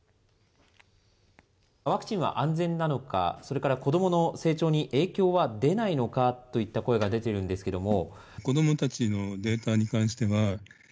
ワクチンは安全なのか、それから子どもの成長に影響は出ないのかといった声が出ているんですけれども。